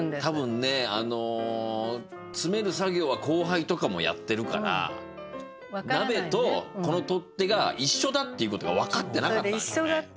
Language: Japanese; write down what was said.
多分ね詰める作業は後輩とかもやってるから鍋とこの取っ手が一緒だっていうことが分かってなかったんですね。